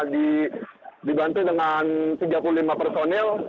dibantu dengan tiga puluh lima personil